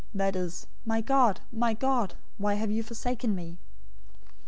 That is, "My God, my God, why have you forsaken me?"